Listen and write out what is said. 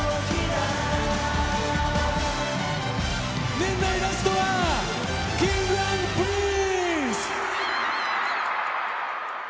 年内ラストはＫｉｎｇ＆Ｐｒｉｎｃｅ！